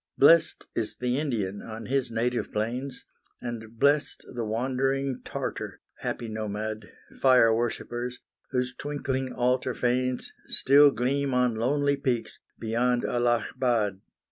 Blest is the Indian on his native plains, And blest the wandering Tartar, happy nomad, Fire worshippers, whose twinkling altar fanes Still gleam on lonely peaks beyond Allahbad.